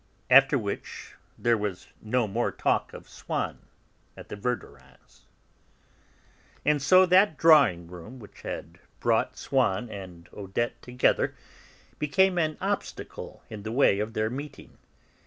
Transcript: After which there was no more talk of Swann at the Verdurins'. And so that drawing room which had brought Swann and Odette together became an obstacle in the way of their meeting.